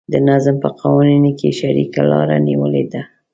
د نظم په قوانینو کې یې شریکه لاره نیولې ده.